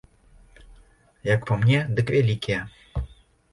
Як па мне, дык вялікія.